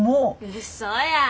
うそやぁ。